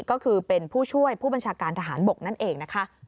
ก็คือเป็นผู้ช่วยผู้บัญชาการทหารบกนั่นเองนะคะ